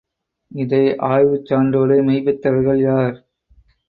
இதை ஆய்வுச்சான்றோடு மெய்ப்பித்தவர்கள் யார்?